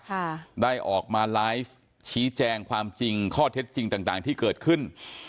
ค่ะได้ออกมาไลฟ์ชี้แจงความจริงข้อเท็จจริงต่างต่างที่เกิดขึ้น